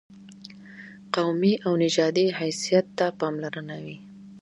قومي او نژادي حیثیت ته پاملرنه وي.